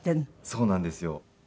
そうなんですよ。